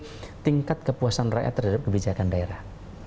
tapi tingkat kepuasan rakyat terhadap kebijakan daerah